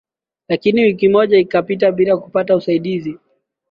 Lakini wiki moja ikapita bila kupata usaidizi